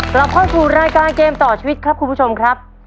กลับเข้าสู่รายการเกมต่อชีวิตครับคุณผู้ชมครับ